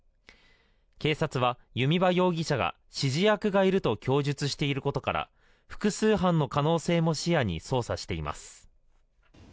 警察は、弓場容疑者が指示役がいると供述していることから複数犯の可能性も視野に捜査しています。